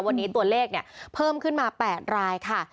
วันนี้ตัวเลขเพิ่มขึ้นมา๘รายค่ะ